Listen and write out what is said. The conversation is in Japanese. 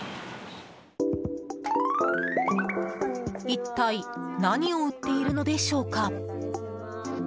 一体、何を売っているのでしょうか？